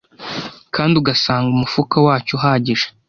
kandi ugasanga umufuka wacyo uhagije